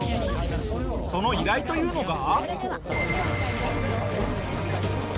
その依頼というのが。